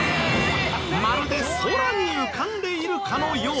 まるで空に浮かんでいるかのよう。